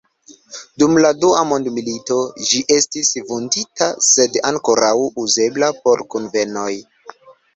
Dum la Dua Mondmilito ĝi estis vundita, sed ankoraŭ uzebla por kunvenoj.